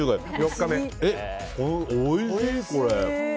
おいしい、これ！